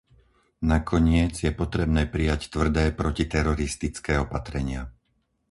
Nakoniec, je potrebné prijať tvrdé protiteroristické opatrenia.